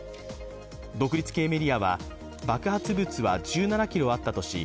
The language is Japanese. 独立系メディアは、爆発物は１７ｋｇあったとし